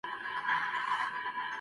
ان قانوں شکن لوگوں کے سامنے حکومت